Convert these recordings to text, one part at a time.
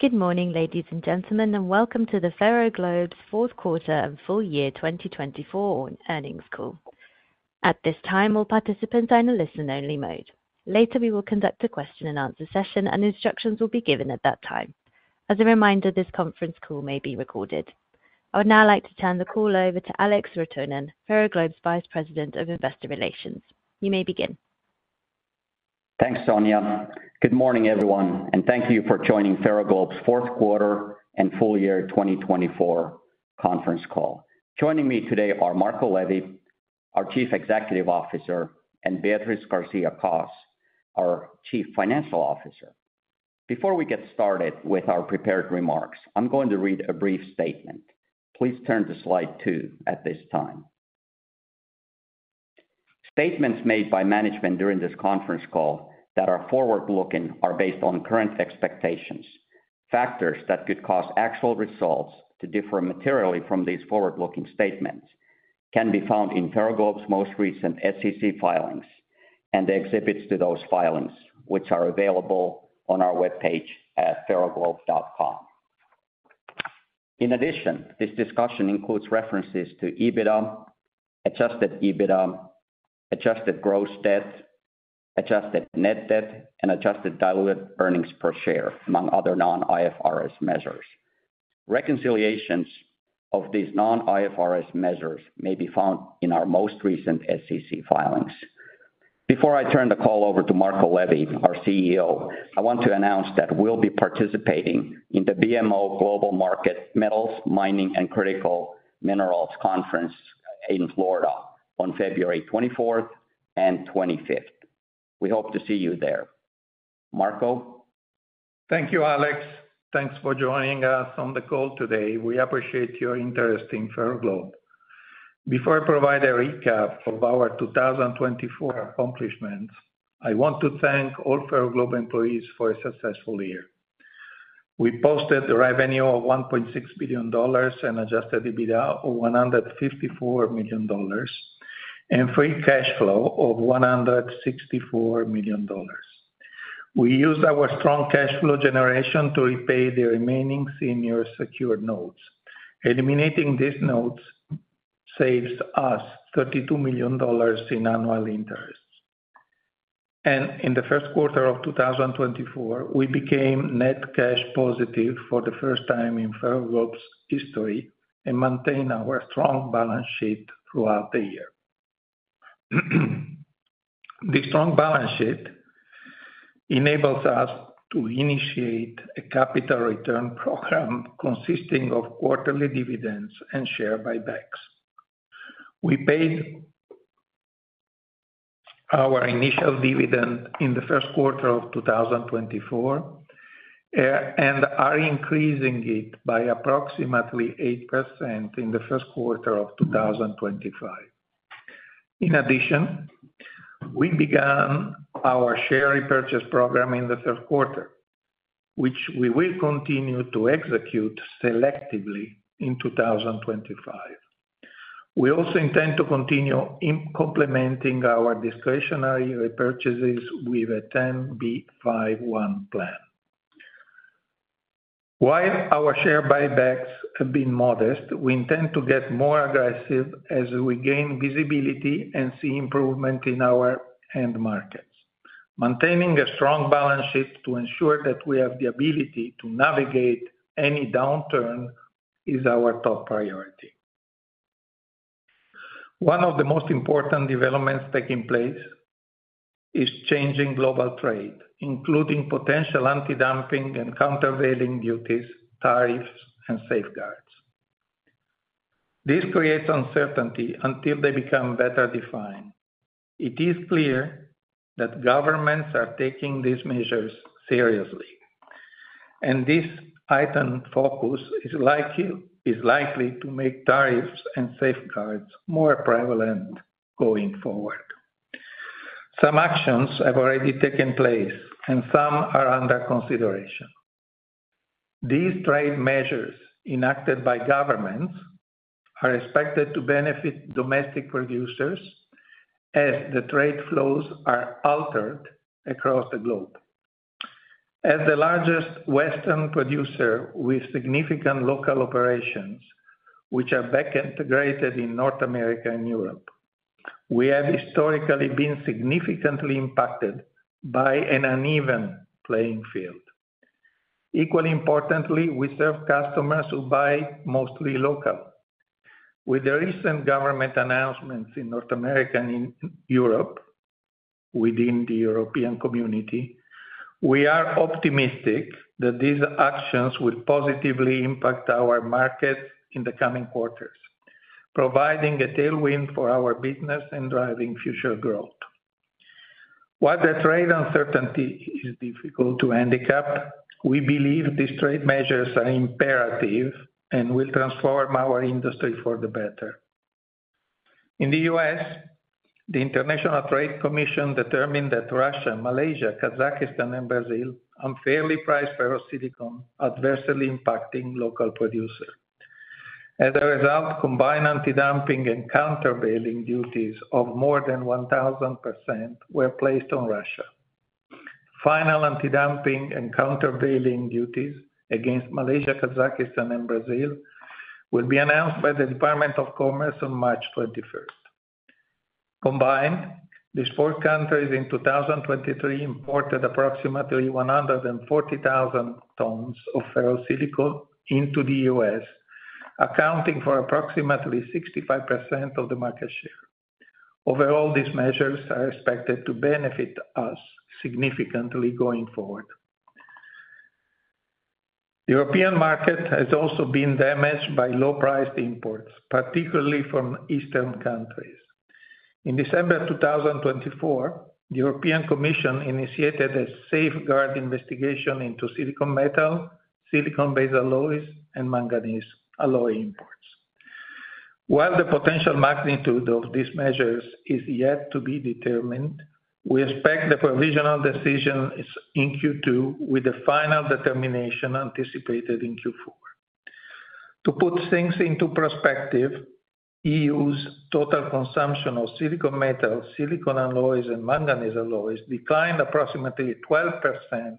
Good morning, ladies and gentlemen, and welcome to the Ferroglobe's fourth quarter and full year 2024 earnings call. At this time, all participants are in a listen-only mode. Later, we will conduct a question-and-answer session, and instructions will be given at that time. As a reminder, this conference call may be recorded. I would now like to turn the call over to Alex Rotonen, Ferroglobe's Vice President of Investor Relations. You may begin. Thanks, Sonia. Good morning, everyone, and thank you for joining Ferroglobe's fourth quarter and full year 2024 conference call. Joining me today are Marco Levi, our Chief Executive Officer, and Beatriz García-Cos, our Chief Financial Officer. Before we get started with our prepared remarks, I'm going to read a brief statement. Please turn to slide two at this time. Statements made by management during this conference call that are forward-looking are based on current expectations. Factors that could cause actual results to differ materially from these forward-looking statements can be found in Ferroglobe's most recent SEC filings and the exhibits to those filings, which are available on our web page at ferroglobe.com. In addition, this discussion includes references to EBITDA, adjusted EBITDA, adjusted gross debt, adjusted net debt, and adjusted diluted earnings per share, among other non-IFRS measures. Reconciliations of these non-IFRS measures may be found in our most recent SEC filings. Before I turn the call over to Marco Levi, our CEO, I want to announce that we'll be participating in the BMO Global Metals, Mining, and Critical Minerals Conference in Florida on February 24th and 25th. We hope to see you there. Marco. Thank you, Alex. Thanks for joining us on the call today. We appreciate your interest in Ferroglobe. Before I provide a recap of our 2024 accomplishments, I want to thank all Ferroglobe employees for a successful year. We posted a revenue of $1.6 billion and adjusted EBITDA of $154 million, and free cash flow of $164 million. We used our strong cash flow generation to repay the remaining senior secured notes. Eliminating these notes saves us $32 million in annual interest, and in the first quarter of 2024, we became net cash positive for the first time in Ferroglobe's history and maintained our strong balance sheet throughout the year. The strong balance sheet enables us to initiate a capital return program consisting of quarterly dividends and share buybacks. We paid our initial dividend in the first quarter of 2024 and are increasing it by approximately 8% in the first quarter of 2025. In addition, we began our share repurchase program in the third quarter, which we will continue to execute selectively in 2025. We also intend to continue implementing our discretionary repurchases with a 10b5-1 plan. While our share buybacks have been modest, we intend to get more aggressive as we gain visibility and see improvement in our end markets. Maintaining a strong balance sheet to ensure that we have the ability to navigate any downturn is our top priority. One of the most important developments taking place is changing global trade, including potential anti-dumping and countervailing duties, tariffs, and safeguards. This creates uncertainty until they become better defined. It is clear that governments are taking these measures seriously, and this heightened focus is likely to make tariffs and safeguards more prevalent going forward. Some actions have already taken place, and some are under consideration. These trade measures enacted by governments are expected to benefit domestic producers as the trade flows are altered across the globe. As the largest Western producer with significant local operations, which are backward integrated in North America and Europe, we have historically been significantly impacted by an uneven playing field. Equally importantly, we serve customers who buy mostly local. With the recent government announcements in North America and in Europe within the European Community, we are optimistic that these actions will positively impact our markets in the coming quarters, providing a tailwind for our business and driving future growth. While the trade uncertainty is difficult to handicap, we believe these trade measures are imperative and will transform our industry for the better. In the U.S., the U.S. International Trade Commission determined that Russia, Malaysia, Kazakhstan, and Brazil unfairly priced ferrosilicon, adversely impacting local producers. As a result, combined anti-dumping and countervailing duties of more than 1,000% were placed on Russia. Final anti-dumping and countervailing duties against Malaysia, Kazakhstan, and Brazil will be announced by the U.S. Department of Commerce on March 21st. Combined, these four countries in 2023 imported approximately 140,000 tons of ferrosilicon into the U.S., accounting for approximately 65% of the market share. Overall, these measures are expected to benefit us significantly going forward. The European market has also been damaged by low-priced imports, particularly from Eastern countries. In December 2024, the European Commission initiated a safeguard investigation into silicon metal, silicon-based alloys, and manganese alloy imports. While the potential magnitude of these measures is yet to be determined, we expect the provisional decision is in Q2, with a final determination anticipated in Q4. To put things into perspective, EU's total consumption of silicon metal, silicon alloys, and manganese alloys declined approximately 12%,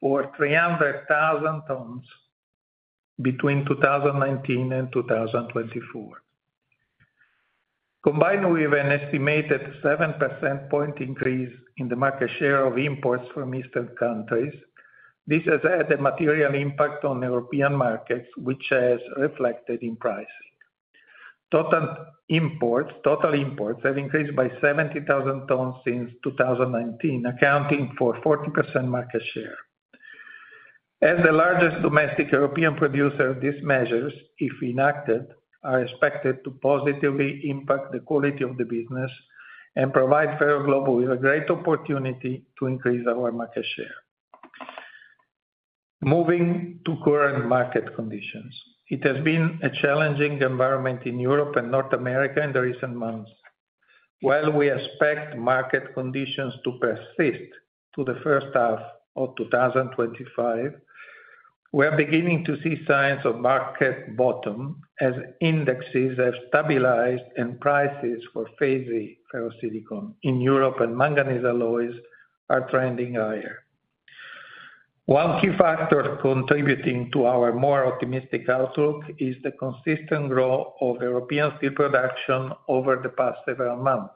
or 300,000 tons, between 2019 and 2024. Combined with an estimated 7% point increase in the market share of imports from Eastern countries, this has had a material impact on European markets, which has reflected in pricing. Total imports have increased by 70,000 tons since 2019, accounting for 40% market share. As the largest domestic European producer, these measures, if enacted, are expected to positively impact the quality of the business and provide Ferroglobe with a great opportunity to increase our market share. Moving to current market conditions, it has been a challenging environment in Europe and North America in the recent months. While we expect market conditions to persist to the first half of 2025, we are beginning to see signs of market bottom as indexes have stabilized and prices for FeSi ferrosilicon in Europe and manganese alloys are trending higher. One key factor contributing to our more optimistic outlook is the consistent growth of European steel production over the past several months.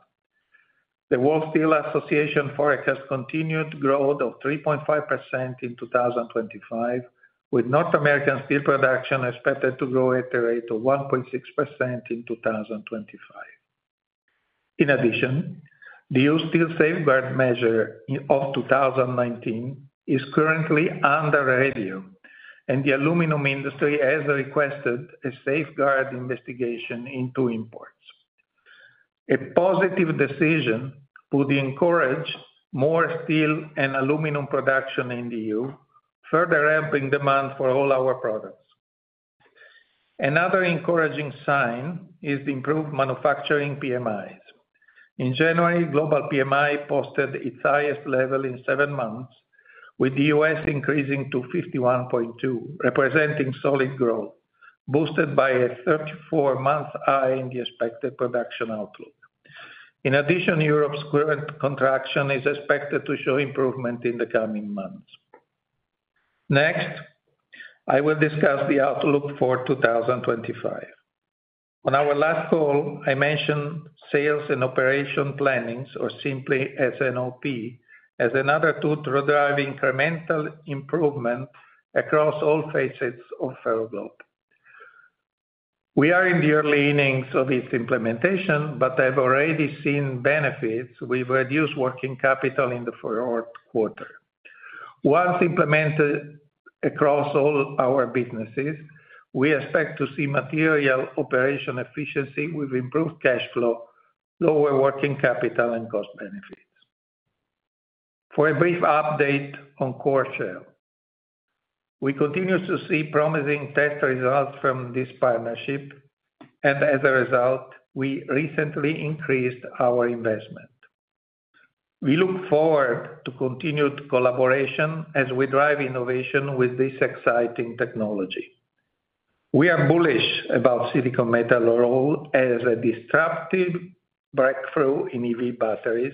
The World Steel Association forecasts continued growth of 3.5% in 2025, with North American steel production expected to grow at a rate of 1.6% in 2025. In addition, the EU Steel Safeguard Measure of 2019 is currently under review, and the aluminum industry has requested a safeguard investigation into imports. A positive decision would encourage more steel and aluminum production in the EU, further ramping demand for all our products. Another encouraging sign is the improved manufacturing PMIs. In January, global PMI posted its highest level in seven months, with the U.S. increasing to 51.2, representing solid growth, boosted by a 34-month high in the expected production outlook. In addition, Europe's current contraction is expected to show improvement in the coming months. Next, I will discuss the outlook for 2025. On our last call, I mentioned sales and operations planning, or simply S&OP, as another tool to drive incremental improvement across all phases of Ferroglobe. We are in the early innings of its implementation, but I've already seen benefits with reduced working capital in the fourth quarter. Once implemented across all our businesses, we expect to see material operational efficiency with improved cash flow, lower working capital, and cost benefits. For a brief update on Coreshell, we continue to see promising test results from this partnership, and as a result, we recently increased our investment. We look forward to continued collaboration as we drive innovation with this exciting technology. We are bullish about silicon metal role as a disruptive breakthrough in EV batteries,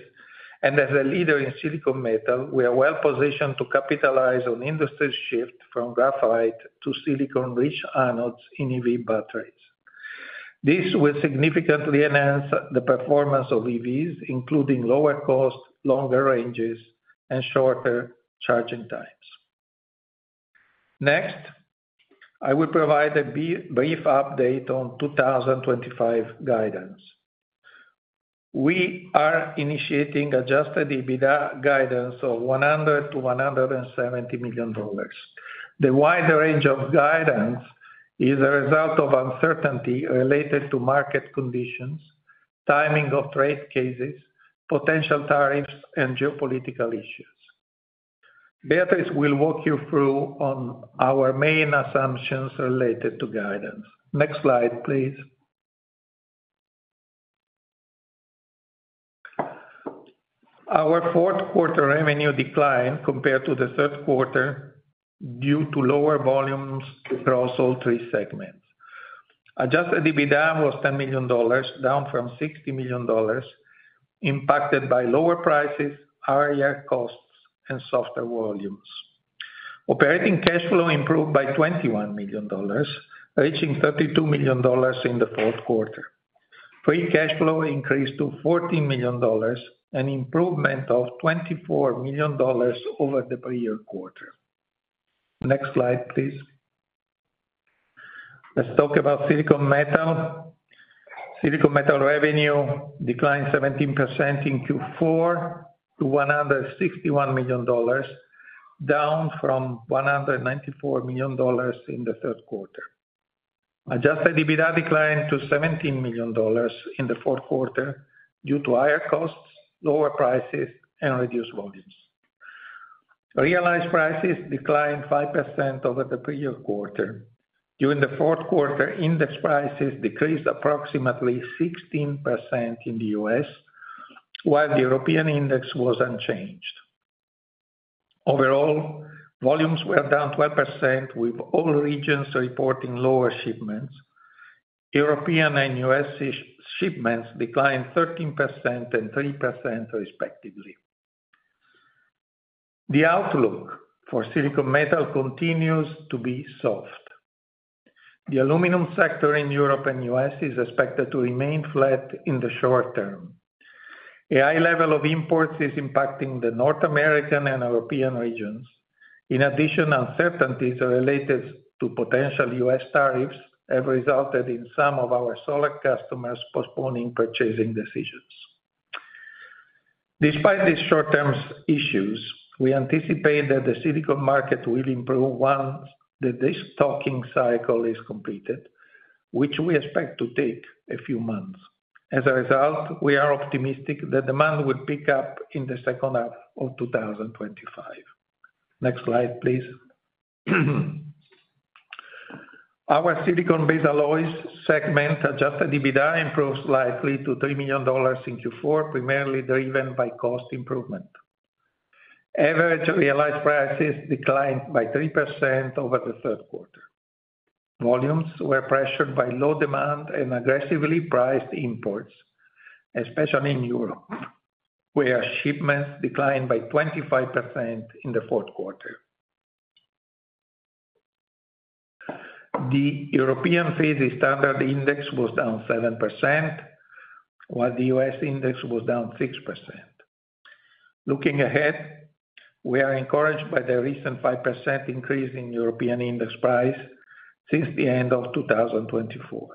and as a leader in silicon metal, we are well positioned to capitalize on industry shift from graphite to silicon-rich anodes in EV batteries. This will significantly enhance the performance of EVs, including lower cost, longer ranges, and shorter charging times. Next, I will provide a brief update on 2025 guidance. We are initiating Adjusted EBITDA guidance of $100-$170 million. The wider range of guidance is a result of uncertainty related to market conditions, timing of trade cases, potential tariffs, and geopolitical issues. Beatriz will walk you through our main assumptions related to guidance. Next slide, please. Our fourth quarter revenue declined compared to the third quarter due to lower volumes across all three segments. Adjusted EBITDA was $10 million, down from $60 million, impacted by lower prices, higher costs, and softer volumes. Operating cash flow improved by $21 million, reaching $32 million in the fourth quarter. Free cash flow increased to $14 million and improvement of $24 million over the previous quarter. Next slide, please. Let's talk about silicon metal. Silicon metal revenue declined 17% in Q4 to $161 million, down from $194 million in the third quarter. Adjusted EBITDA declined to $17 million in the fourth quarter due to higher costs, lower prices, and reduced volumes. Realized prices declined 5% over the previous quarter. During the fourth quarter, index prices decreased approximately 16% in the U.S., while the European index was unchanged. Overall, volumes were down 12%, with all regions reporting lower shipments. European and U.S. shipments declined 13% and 3%, respectively. The outlook for silicon metal continues to be soft. The aluminum sector in Europe and U.S. is expected to remain flat in the short term. A high level of imports is impacting the North American and European regions. In addition, uncertainties related to potential U.S. tariffs have resulted in some of our solid customers postponing purchasing decisions. Despite these short-term issues, we anticipate that the silicon market will improve once the stocking cycle is completed, which we expect to take a few months. As a result, we are optimistic that demand will pick up in the second half of 2025. Next slide, please. Our silicon-based alloys segment adjusted EBITDA improves slightly to $3 million in Q4, primarily driven by cost improvement. Average realized prices declined by 3% over the third quarter. Volumes were pressured by low demand and aggressively priced imports, especially in Europe, where shipments declined by 25% in the fourth quarter. The European FeSi Standard Index was down 7%, while the U.S. index was down 6%. Looking ahead, we are encouraged by the recent 5% increase in European index price since the end of 2024.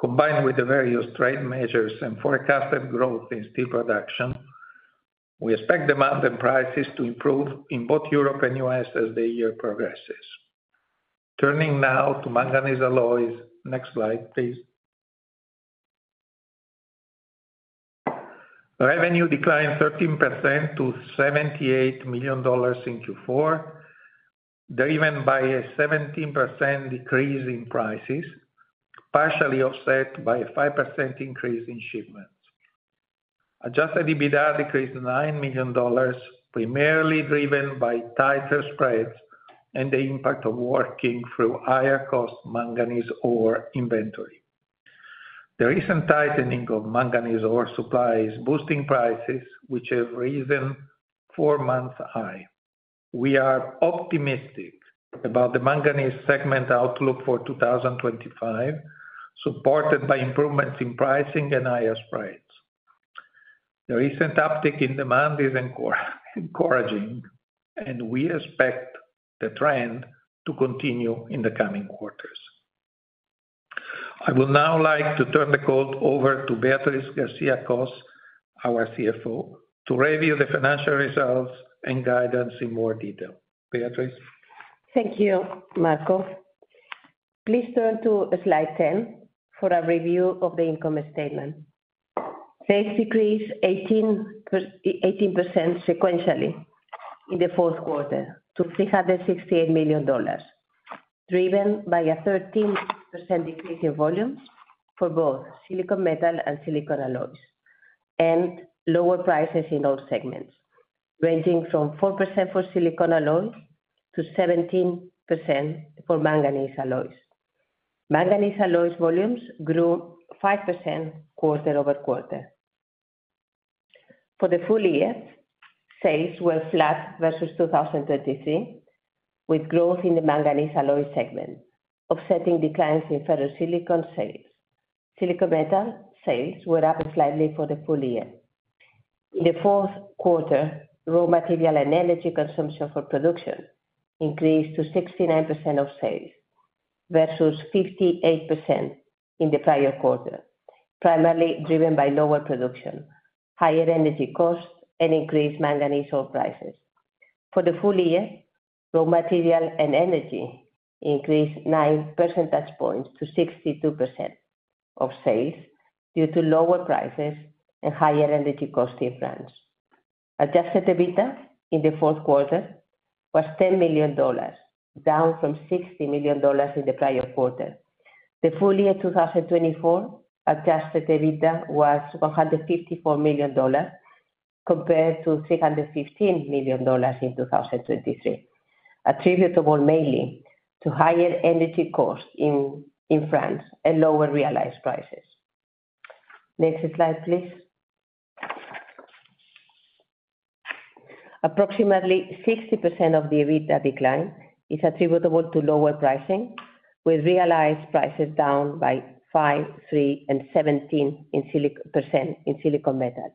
Combined with the various trade measures and forecasted growth in steel production, we expect demand and prices to improve in both Europe and U.S. as the year progresses. Turning now to manganese alloys. Next slide, please. Revenue declined 13% to $78 million in Q4, driven by a 17% decrease in prices, partially offset by a 5% increase in shipments. Adjusted EBITDA decreased $9 million, primarily driven by tighter spreads and the impact of working through higher cost manganese ore inventory. The recent tightening of manganese ore supply is boosting prices, which have risen four-month high. We are optimistic about the manganese segment outlook for 2025, supported by improvements in pricing and higher spreads. The recent uptick in demand is encouraging, and we expect the trend to continue in the coming quarters. I would now like to turn the call over to Beatriz García-Cos, our CFO, to review the financial results and guidance in more detail. Beatriz. Thank you, Marco. Please turn to slide 10 for a review of the income statement. Sales decreased 18% sequentially in the fourth quarter to $368 million, driven by a 13% decrease in volumes for both silicon metal and silicon alloys, and lower prices in all segments, ranging from 4% for silicon alloys to 17% for manganese alloys. Manganese alloys volumes grew 5% quarter over quarter. For the full year, sales were flat versus 2023, with growth in the manganese alloy segment, offsetting declines in ferrosilicon sales. Silicon metal sales were up slightly for the full year. In the fourth quarter, raw material and energy consumption for production increased to 69% of sales versus 58% in the prior quarter, primarily driven by lower production, higher energy costs, and increased manganese ore prices. For the full year, raw material and energy increased 9 percentage points to 62% of sales due to lower prices and higher energy cost difference. Adjusted EBITDA in the fourth quarter was $10 million, down from $60 million in the prior quarter. The full year 2024 adjusted EBITDA was $154 million, compared to $315 million in 2023, attributable mainly to higher energy costs in France and lower realized prices. Next slide, please. Approximately 60% of the EBITDA decline is attributable to lower pricing, with realized prices down by 5%, 3%, and 17% in silicon metal,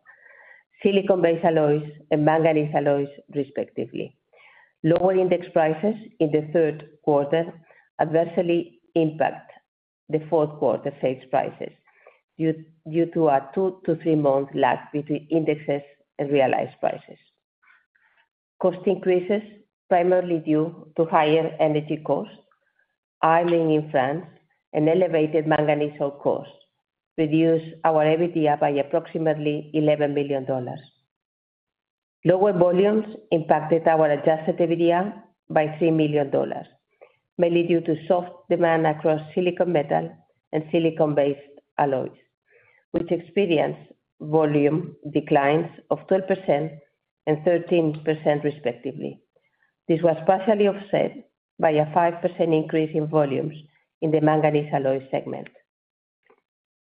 silicon-based alloys, and manganese alloys, respectively. Lower index prices in the third quarter adversely impact the fourth quarter sales prices due to a two to three-month lag between indexes and realized prices. Cost increases, primarily due to higher energy costs, idling in France, and elevated manganese ore costs reduced our EBITDA by approximately $11 million. Lower volumes impacted our adjusted EBITDA by $3 million, mainly due to soft demand across silicon metal and silicon-based alloys, which experienced volume declines of 12% and 13%, respectively. This was partially offset by a 5% increase in volumes in the manganese alloy segment.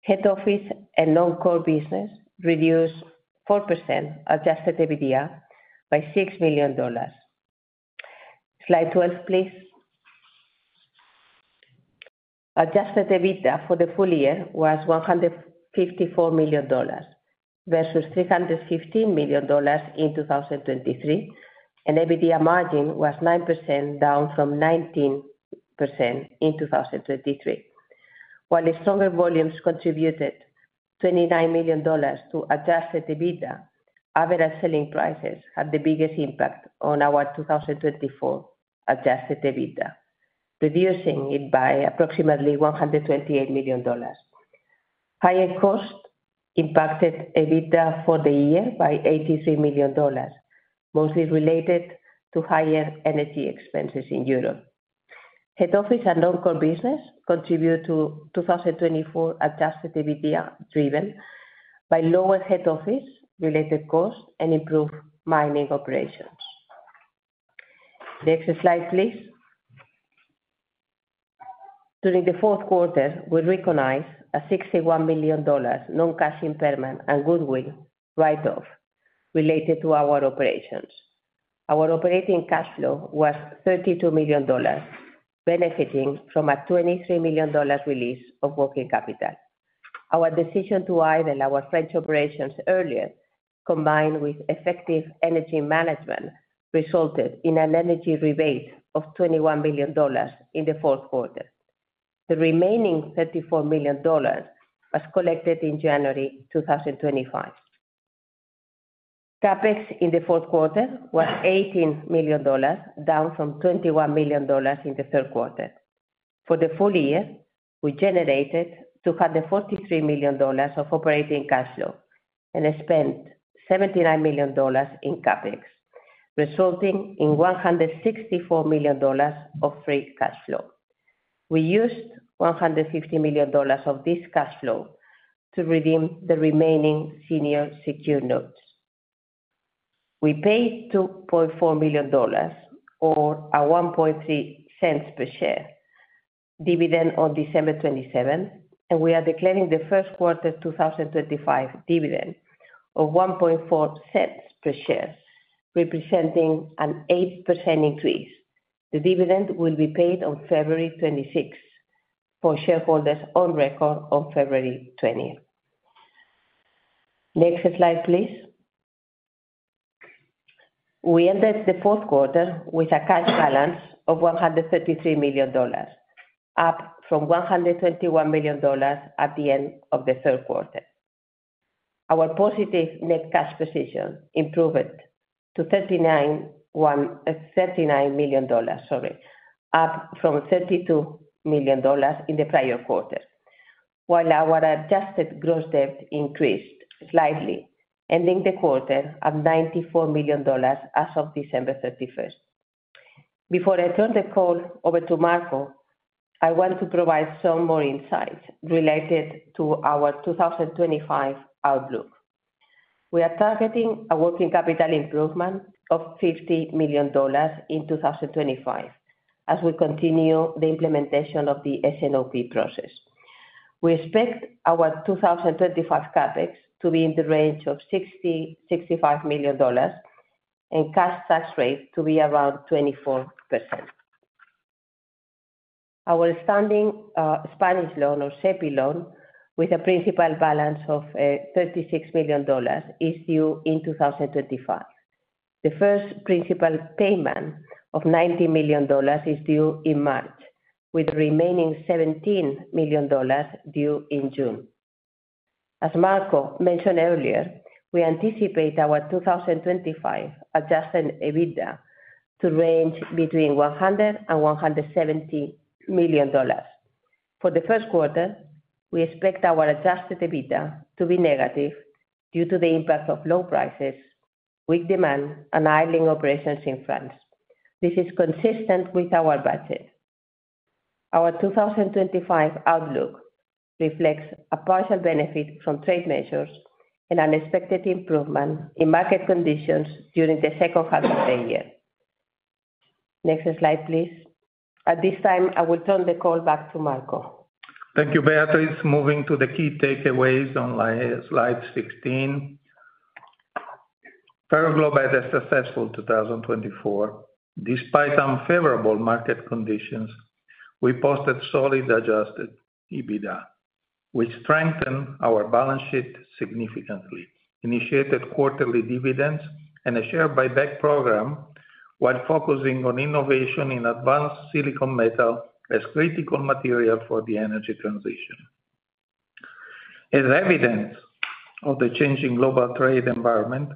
Head office and non-core business reduced adjusted EBITDA by 4%, $6 million. Slide 12, please. Adjusted EBITDA for the full year was $154 million versus $315 million in 2023, and EBITDA margin was 9%, down from 19% in 2023. While stronger volumes contributed $29 million to adjusted EBITDA, average selling prices had the biggest impact on our 2024 adjusted EBITDA, reducing it by approximately $128 million. Higher costs impacted EBITDA for the year by $83 million, mostly related to higher energy expenses in Europe. Head office and non-core business contributed to 2024 adjusted EBITDA driven by lower head office-related costs and improved mining operations. Next slide, please. During the fourth quarter, we recognized a $61 million non-cash impairment and goodwill write-off related to our operations. Our operating cash flow was $32 million, benefiting from a $23 million release of working capital. Our decision to idle our French operations earlier, combined with effective energy management, resulted in an energy rebate of $21 million in the fourth quarter. The remaining $34 million was collected in January 2025. CapEx in the fourth quarter was $18 million, down from $21 million in the third quarter. For the full year, we generated $243 million of operating cash flow and spent $79 million in CapEx, resulting in $164 million of free cash flow. We used $150 million of this cash flow to redeem the remaining senior secured notes. We paid $2.4 million, or 1.3 cents per share, dividend on December 27, and we are declaring the first quarter 2025 dividend of 1.4 cents per share, representing an 8% increase. The dividend will be paid on February 26 for shareholders on record on February 20. Next slide, please. We entered the fourth quarter with a cash balance of $133 million, up from $121 million at the end of the third quarter. Our positive net cash position improved to $39 million, sorry, up from $32 million in the prior quarter, while our adjusted gross debt increased slightly, ending the quarter at $94 million as of December 31. Before I turn the call over to Marco, I want to provide some more insights related to our 2025 outlook. We are targeting a working capital improvement of $50 million in 2025 as we continue the implementation of the S&OP process. We expect our 2025 CapEx to be in the range of $60-$65 million, and cash tax rate to be around 24%. Our standing Spanish loan, or SEPI loan, with a principal balance of $36 million is due in 2025. The first principal payment of $90 million is due in March, with the remaining $17 million due in June. As Marco mentioned earlier, we anticipate our 2025 adjusted EBITDA to range between $100 and $170 million. For the first quarter, we expect our adjusted EBITDA to be negative due to the impact of low prices, weak demand, and idling operations in France. This is consistent with our budget. Our 2025 outlook reflects a partial benefit from trade measures and unexpected improvement in market conditions during the second half of the year. Next slide, please. At this time, I will turn the call back to Marco. Thank you, Beatriz. Moving to the key takeaways on slide 16. Ferroglobe had a successful 2024. Despite unfavorable market conditions, we posted solid adjusted EBITDA, which strengthened our balance sheet significantly. Initiated quarterly dividends and a share buyback program while focusing on innovation in advanced silicon metal as critical material for the energy transition. As evidence of the changing global trade environment,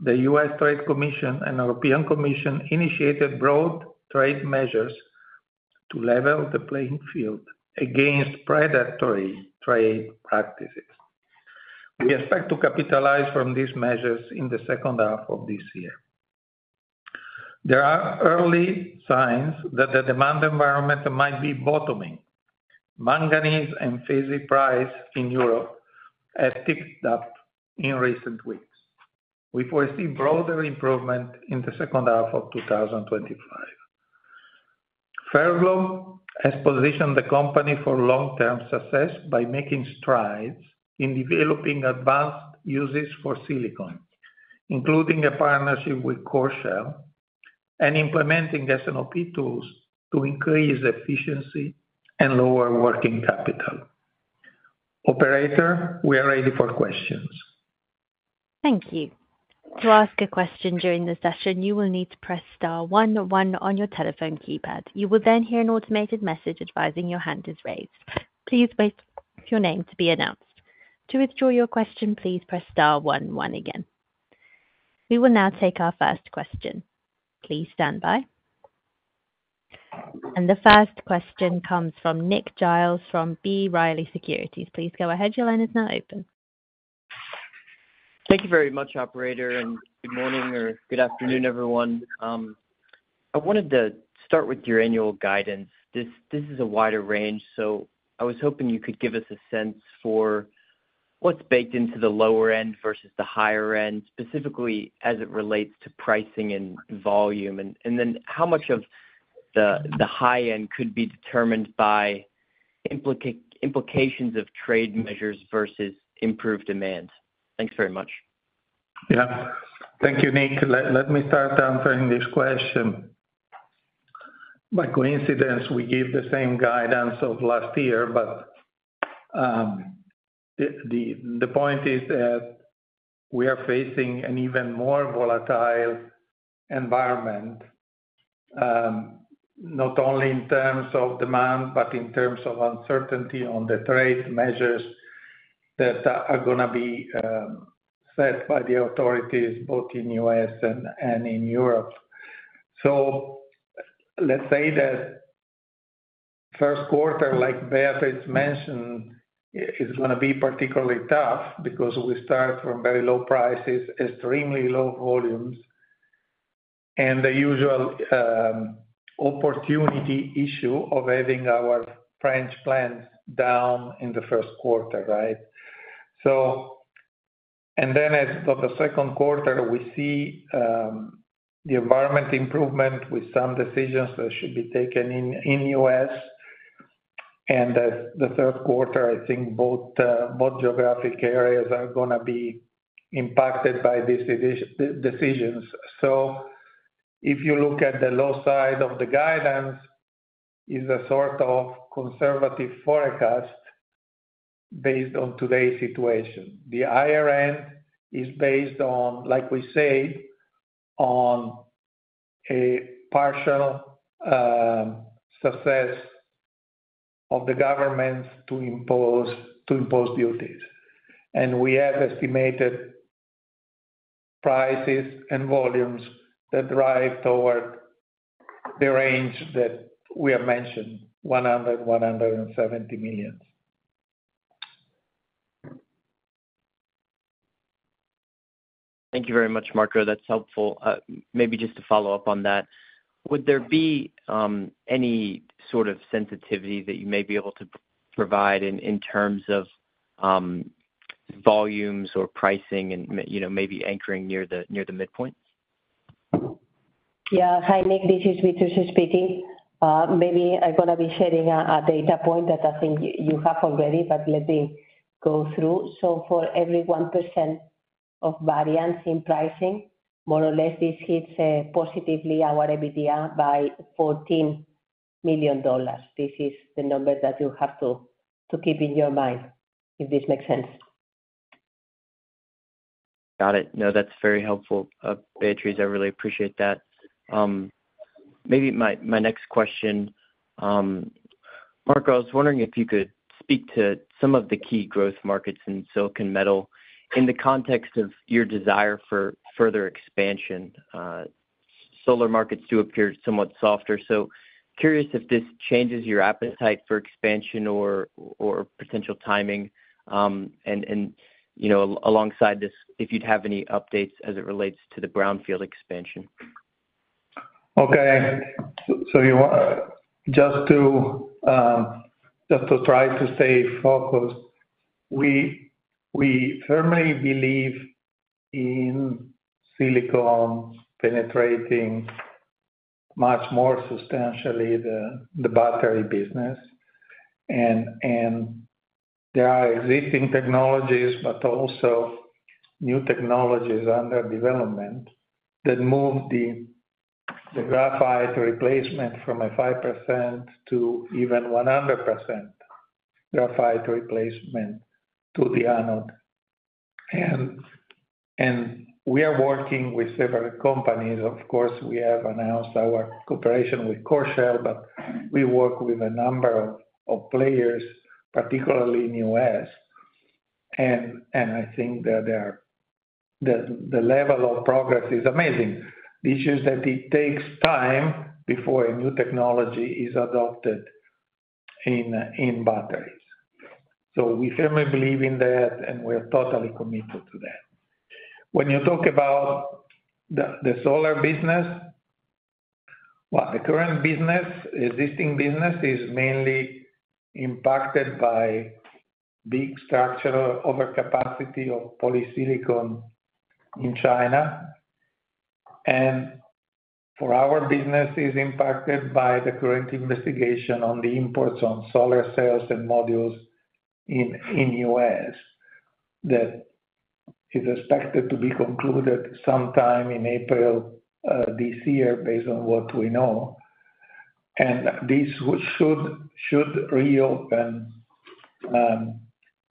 the U.S. International Trade Commission and European Commission initiated broad trade measures to level the playing field against predatory trade practices. We expect to capitalize from these measures in the second half of this year. There are early signs that the demand environment might be bottoming. Manganese and FeSi price in Europe has ticked up in recent weeks. We foresee broader improvement in the second half of 2025. Ferroglobe has positioned the company for long-term success by making strides in developing advanced uses for silicon, including a partnership with Coreshell, and implementing S&OP tools to increase efficiency and lower working capital. Operator, we are ready for questions. Thank you. To ask a question during the session, you will need to press star 11 on your telephone keypad. You will then hear an automated message advising your hand is raised. Please wait for your name to be announced. To withdraw your question, please press star 11 again. We will now take our first question. Please stand by. And the first question comes from Nick Giles from B. Riley Securities. Please go ahead. Your line is now open. Thank you very much, Operator, and good morning or good afternoon, everyone. I wanted to start with your annual guidance. This is a wider range, so I was hoping you could give us a sense for what's baked into the lower end versus the higher end, specifically as it relates to pricing and volume, and then how much of the high end could be determined by implications of trade measures versus improved demand. Thanks very much. Yeah. Thank you, Nick. Let me start answering this question. By coincidence, we give the same guidance of last year, but the point is that we are facing an even more volatile environment, not only in terms of demand, but in terms of uncertainty on the trade measures that are going to be set by the authorities, both in the U.S. and in Europe. So let's say that first quarter, like Beatriz mentioned, is going to be particularly tough because we start from very low prices, extremely low volumes, and the usual opportunity issue of having our French plants down in the first quarter, right? And then as of the second quarter, we see the environment improvement with some decisions that should be taken in the U.S. And as the third quarter, I think both geographic areas are going to be impacted by these decisions. So if you look at the low side of the guidance, it's a sort of conservative forecast based on today's situation. The higher end is based on, like we say, on a partial success of the governments to impose duties. And we have estimated prices and volumes that drive toward the range that we have mentioned, $100-$170 million. Thank you very much, Marco. That's helpful. Maybe just to follow up on that, would there be any sort of sensitivity that you may be able to provide in terms of volumes or pricing and maybe anchoring near the midpoint? Yeah. Hi, Nick. This is Beatriz speaking. Maybe I'm going to be sharing a data point that I think you have already, but let me go through. So for every 1% of variance in pricing, more or less, this hits positively our EBITDA by $14 million. This is the number that you have to keep in your mind, if this makes sense. Got it. No, that's very helpful, Beatriz. I really appreciate that. Maybe my next question, Marco, I was wondering if you could speak to some of the key growth markets in silicon metal in the context of your desire for further expansion. Solar markets do appear somewhat softer, so curious if this changes your appetite for expansion or potential timing, and alongside this, if you'd have any updates as it relates to the brownfield expansion. Okay, so just to try to stay focused, we firmly believe in silicon penetrating much more substantially the battery business, and there are existing technologies, but also new technologies under development that move the graphite replacement from a 5% to even 100% graphite replacement to the anode, and we are working with several companies. Of course, we have announced our cooperation with Coreshell, but we work with a number of players, particularly in the U.S. And I think that the level of progress is amazing. The issue is that it takes time before a new technology is adopted in batteries. So we firmly believe in that, and we are totally committed to that. When you talk about the solar business, well, the current business, existing business, is mainly impacted by big structural overcapacity of polysilicon in China. And for our business, it is impacted by the current investigation on the imports on solar cells and modules in the U.S. that is expected to be concluded sometime in April this year, based on what we know. And this should reopen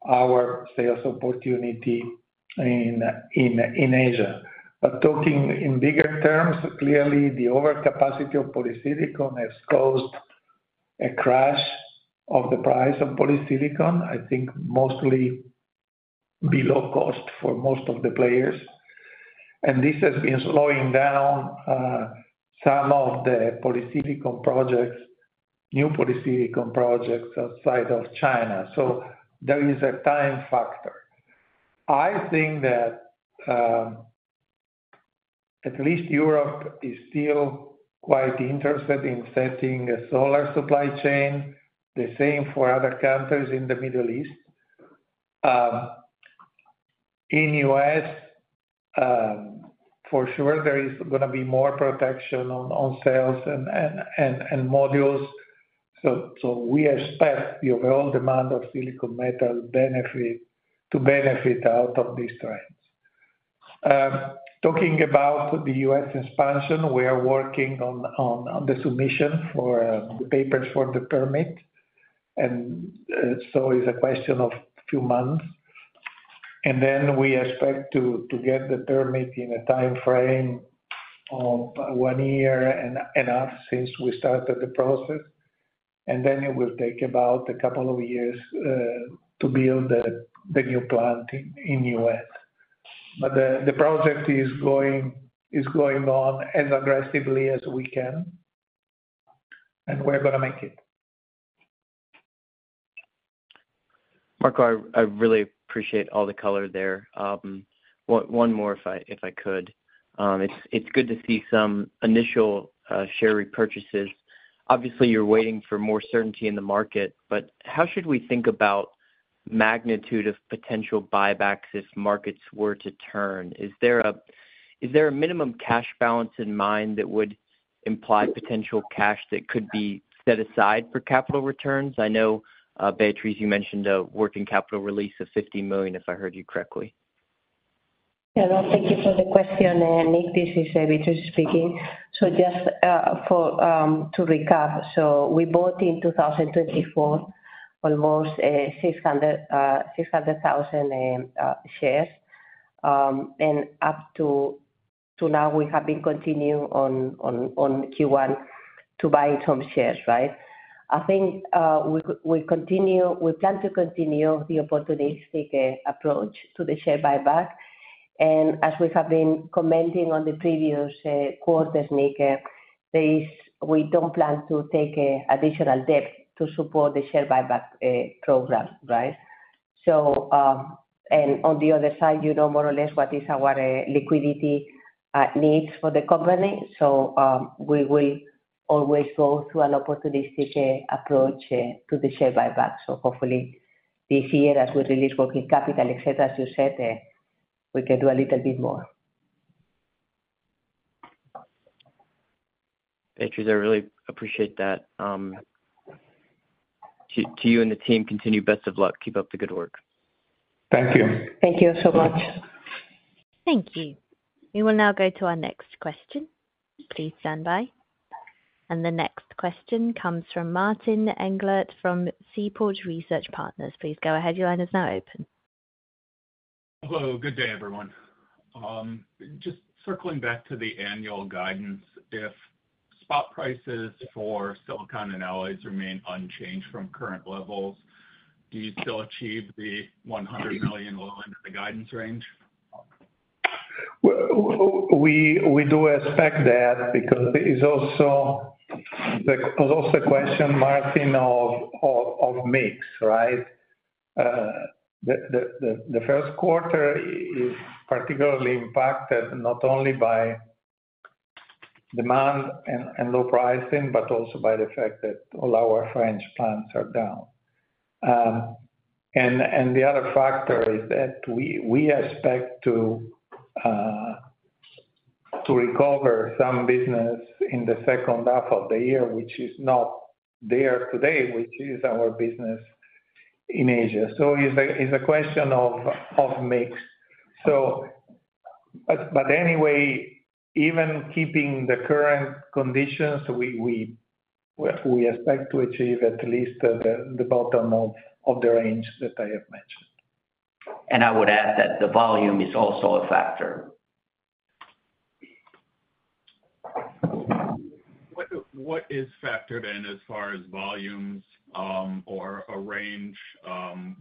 our sales opportunity in Asia. Talking in bigger terms, clearly, the overcapacity of polysilicon has caused a crash of the price of polysilicon. I think mostly below cost for most of the players. And this has been slowing down some of the polysilicon projects, new polysilicon projects outside of China. So there is a time factor. I think that at least Europe is still quite interested in setting a solar supply chain. The same for other countries in the Middle East. In the U.S., for sure, there is going to be more protection on cells and modules. So we expect the overall demand of silicon metal to benefit out of these trends. Talking about the U.S. expansion, we are working on the submission for the papers for the permit. And so it's a question of a few months. And then we expect to get the permit in a time frame of one year and a half since we started the process. And then it will take about a couple of years to build the new plant in the U.S. But the project is going on as aggressively as we can, and we're going to make it. Marco, I really appreciate all the color there. One more, if I could. It's good to see some initial share repurchases. Obviously, you're waiting for more certainty in the market, but how should we think about magnitude of potential buybacks if markets were to turn? Is there a minimum cash balance in mind that would imply potential cash that could be set aside for capital returns? I know, Beatriz, you mentioned a working capital release of $50 million, if I heard you correctly. Yeah. No, thank you for the question. Nick, this is Beatriz speaking. So just to recap, so we bought in 2024 almost 600,000 shares. And up to now, we have been continuing on Q1 to buy some shares, right? I think we plan to continue the opportunistic approach to the share buyback. And as we have been commenting on the previous quarter, Nick, we don't plan to take additional debt to support the share buyback program, right? And on the other side, you know more or less what is our liquidity needs for the company. So we will always go through an opportunistic approach to the share buyback. So hopefully, this year, as we release working capital, etc., as you said, we can do a little bit more. Beatriz, I really appreciate that. To you and the team, continue best of luck. Keep up the good work. Thank you. Thank you so much. Thank you. We will now go to our next question. Please stand by. The next question comes from Martin Englert from Seaport Research Partners. Please go ahead. Your line is now open. Hello. Good day, everyone. Just circling back to the annual guidance, if spot prices for silicon and alloys remain unchanged from current levels, do you still achieve the $100 million low end of the guidance range? We do expect that because it's also the question, Martin, of mix, right? The first quarter is particularly impacted not only by demand and low pricing, but also by the fact that all our French plants are down. The other factor is that we expect to recover some business in the second half of the year, which is not there today, which is our business in Asia. So it's a question of mix. But anyway, even keeping the current conditions, we expect to achieve at least the bottom of the range that I have mentioned. And I would add that the volume is also a factor. What is factored in as far as volumes or a range for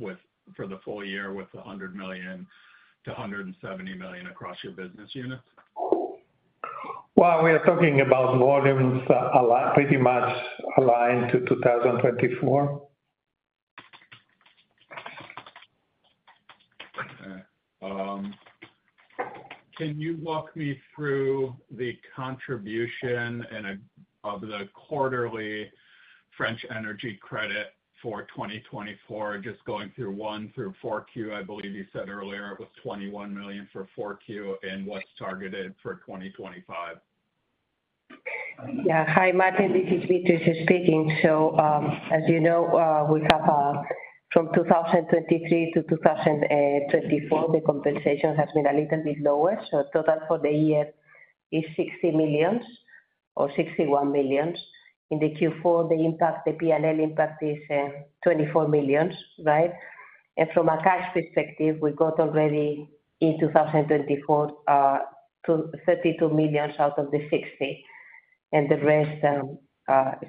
the full year with $100 million-$170 million across your business units? Well, we are talking about volumes pretty much aligned to 2024. Can you walk me through the contribution of the quarterly French energy credit for 2024? Just going through one through 4Q, I believe you said earlier it was $21 million for 4Q and what's targeted for 2025? Yeah. Hi, Martin. This is Beatriz speaking. So as you know, from 2023 to 2024, the compensation has been a little bit lower. So total for the year is $60 million or $61 million. In the 4Q, the P&L impact is $24 million, right? From a cash perspective, we got already in 2024 $32 million out of the 60. The rest is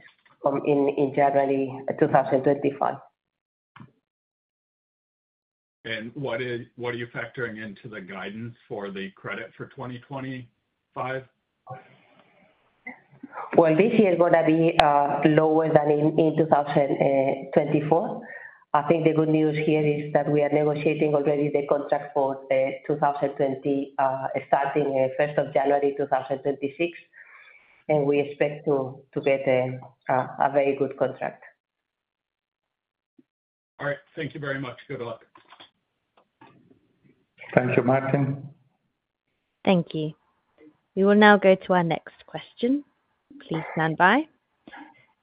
in January 2025. What are you factoring into the guidance for the credit for 2025? Well, this year is going to be lower than in 2024. I think the good news here is that we are negotiating already the contract for 2020, starting 1st of January 2026. And we expect to get a very good contract. All right. Thank you very much. Good luck. Thank you, Martin. Thank you. We will now go to our next question. Please stand by.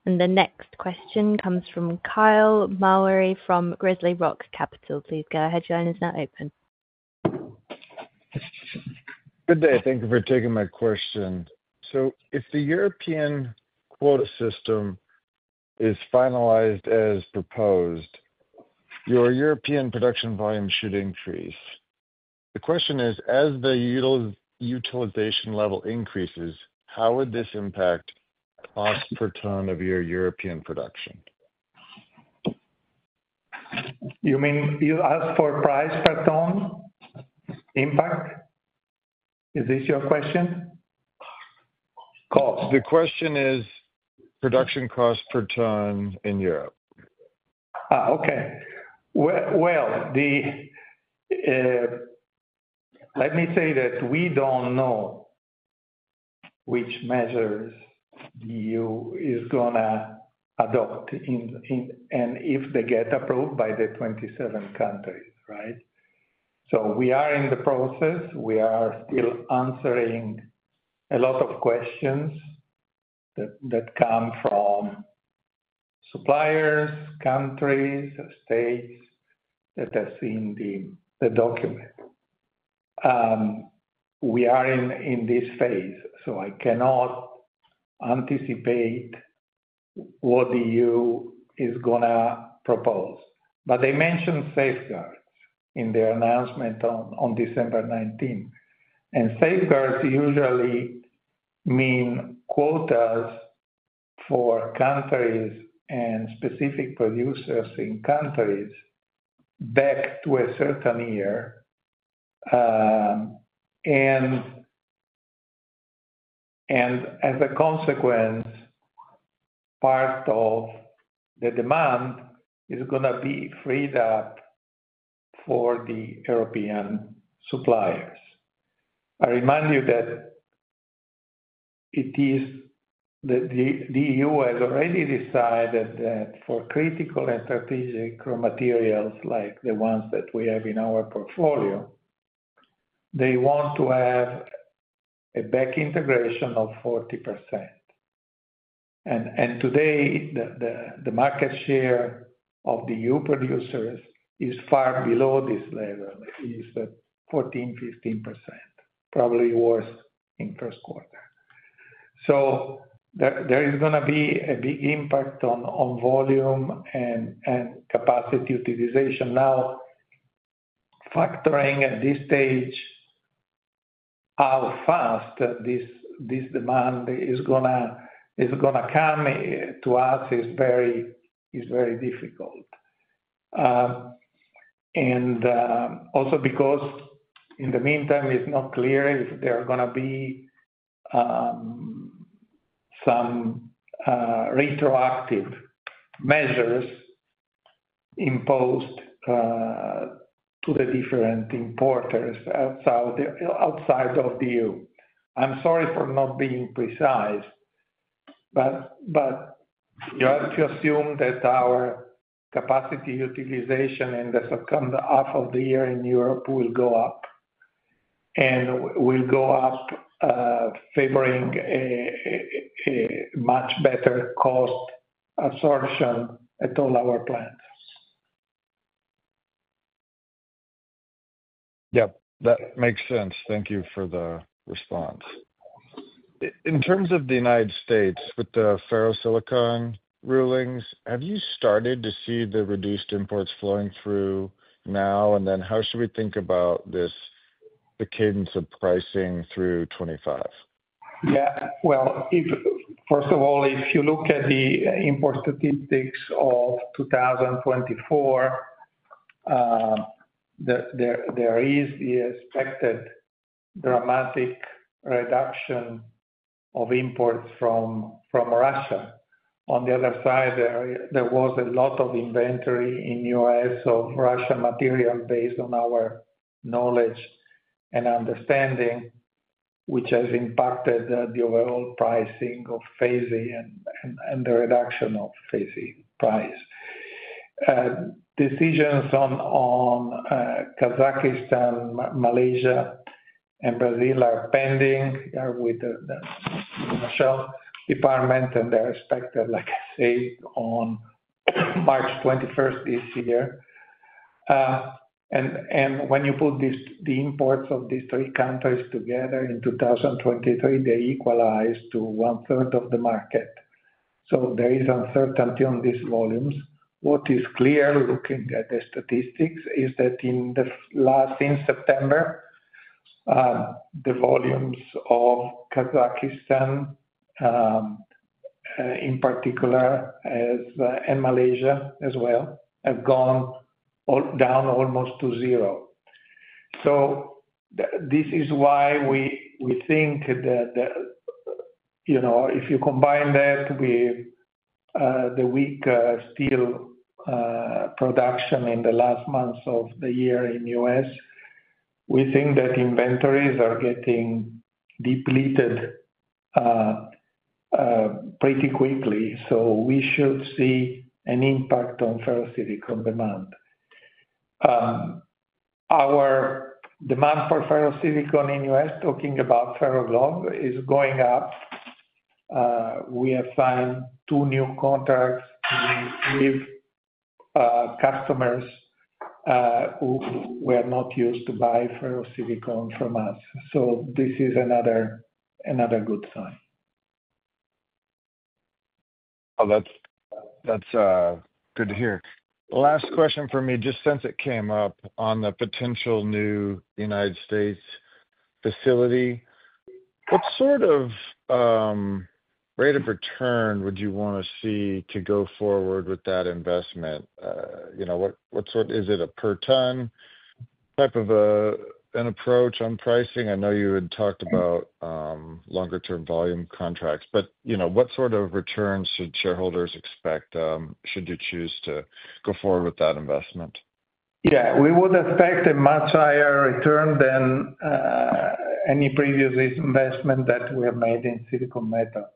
The next question comes from Kyle Mowry from Grizzly Rock Capital. Please go ahead. Your line is now open. Good day. Thank you for taking my question. So if the European quota system is finalized as proposed, your European production volume should increase. The question is, as the utilization level increases, how would this impact cost per ton of your European production? You mean you ask for price per ton impact? Is this your question? The question is production cost per ton in Europe. Okay. Well, let me say that we don't know which measures the EU is going to adopt and if they get approved by the 27 countries, right? So we are in the process. We are still answering a lot of questions that come from suppliers, countries, states that have seen the document. We are in this phase, so I cannot anticipate what the EU is going to propose. But they mentioned safeguards in their announcement on December 19. And safeguards usually mean quotas for countries and specific producers in countries back to a certain year. As a consequence, part of the demand is going to be freed up for the European suppliers. I remind you that the EU has already decided that for critical and strategic raw materials like the ones that we have in our portfolio, they want to have a back integration of 40%. Today, the market share of the EU producers is far below this level. It's 14%, 15%, probably worse in first quarter. There is going to be a big impact on volume and capacity utilization. Now, factoring at this stage how fast this demand is going to come to us is very difficult. Also because in the meantime, it's not clear if there are going to be some retroactive measures imposed to the different importers outside of the EU. I'm sorry for not being precise, but you have to assume that our capacity utilization in the second half of the year in Europe will go up, and we'll go up favoring a much better cost absorption at all our plants. Yep. That makes sense. Thank you for the response. In terms of the United States with the ferrosilicon rulings, have you started to see the reduced imports flowing through now? And then how should we think about the cadence of pricing through 2025? Yeah, well, first of all, if you look at the import statistics of 2024, there is the expected dramatic reduction of imports from Russia. On the other side, there was a lot of inventory in the U.S. of Russian material based on our knowledge and understanding, which has impacted the overall pricing of FeSi and the reduction of FeSi price. Decisions on Kazakhstan, Malaysia, and Brazil are pending with the National Department, and they're expected, like I said, on March 21st this year, and when you put the imports of these three countries together in 2023, they equalize to one-third of the market, so there is uncertainty on these volumes. What is clear, looking at the statistics, is that in September, the volumes of Kazakhstan, in particular, and Malaysia as well, have gone down almost to zero, so this is why we think that if you combine that with the weak steel production in the last months of the year in the U.S., we think that inventories are getting depleted pretty quickly. So we should see an impact on ferrosilicon demand. Our demand for ferrosilicon in the U.S., talking about Ferroglobe, is going up. We have signed two new contracts with customers who were not used to buy ferrosilicon from us. So this is another good sign. Well, that's good to hear. Last question for me, just since it came up on the potential new United States facility. What sort of rate of return would you want to see to go forward with that investment? What sort of is it a per ton type of an approach on pricing? I know you had talked about longer-term volume contracts, but what sort of returns should shareholders expect should you choose to go forward with that investment? Yeah. We would expect a much higher return than any previous investment that we have made in silicon metal.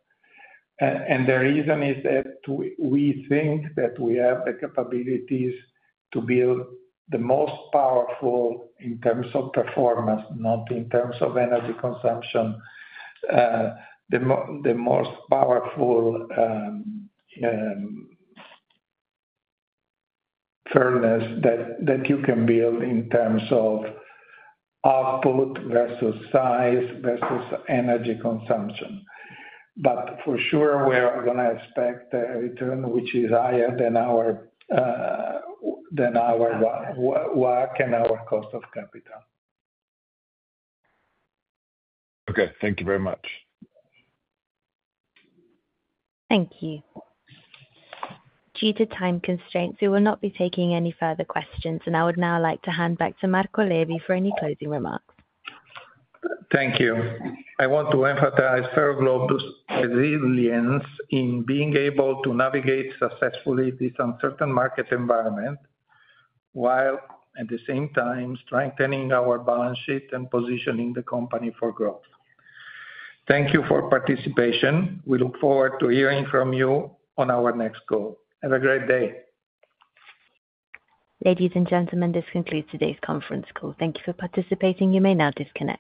And the reason is that we think that we have the capabilities to build the most powerful, in terms of performance, not in terms of energy consumption, the most powerful furnace that you can build in terms of output versus size versus energy consumption. But for sure, we are going to expect a return which is higher than our WACC. Okay. Thank you very much. Thank you. Due to time constraints, we will not be taking any further questions. And I would now like to hand back to Marco Levi for any closing remarks. Thank you. I want to emphasize Ferroglobe's resilience in being able to navigate successfully this uncertain market environment while at the same time strengthening our balance sheet and positioning the company for growth. Thank you for participation. We look forward to hearing from you on our next call. Have a great day. Ladies and gentlemen, this concludes today's conference call. Thank you for participating. You may now disconnect.